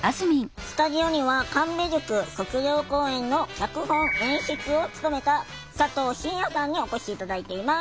スタジオには神戸塾卒業公演の脚本・演出を務めた佐藤慎哉さんにお越し頂いています。